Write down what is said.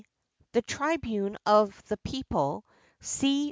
the tribune of the people, C.